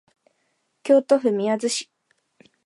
京都府宮津市